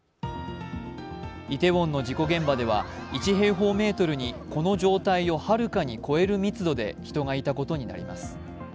イテウォンの事故現場では１平方メートルにこの状態をはるかに超える密度で人がいたことになります。